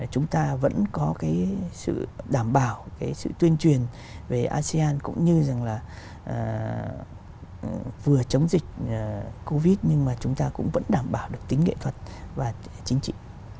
chúng ta vẫn có cái sự đảm bảo cái sự tuyên truyền về asean cũng như rằng là vừa chống dịch covid nhưng mà chúng ta cũng vẫn đảm bảo được tính nghệ thuật và chính trị